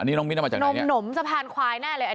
อันนี้น้องมิตน้ำมาจากไหนเนี่ยหนมหนมสะพานควายแน่เลยอันนี้